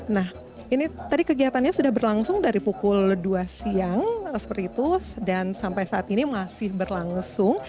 nah ini tadi kegiatannya sudah berlangsung dari pukul dua siang seperti itu dan sampai saat ini masih berlangsung